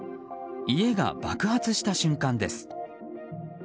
家が爆発した瞬間です。